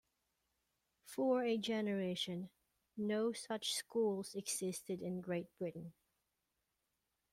For a generation, no such schools existed in Great Britain.